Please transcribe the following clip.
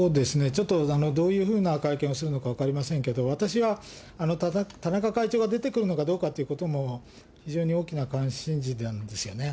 ちょっとどういうふうな会見をするのか分かりませんけど、私は田中会長が出てくるのかどうかということも、非常に大きな関心事なんですよね。